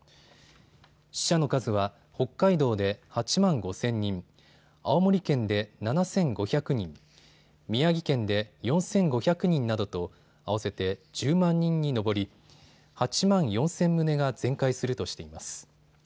死者の数は北海道で８万５０００人、青森県で７５００人、宮城県で４５００人などと合わせて１０万人に上り８万４０００棟が全壊するとしています。